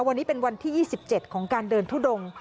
วันนี้เป็นวันที่๒๗ของการเดินทุดง